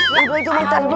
yang dulu itu mentan dulu